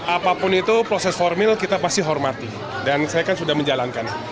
apapun itu proses formil kita pasti hormati dan saya kan sudah menjalankan